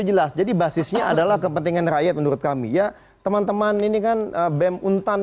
jelas jadi basisnya adalah kepentingan rakyat menurut kami ya teman teman ini kan bem untan